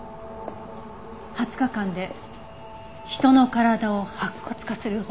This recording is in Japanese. ２０日間で人の体を白骨化する方法。